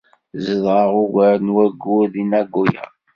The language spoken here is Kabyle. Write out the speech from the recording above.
Zedɣeɣ ugar n wayyur deg Nagoya.